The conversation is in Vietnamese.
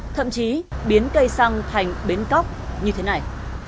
thậm chí biến cây xăng thành bến cóc như thế này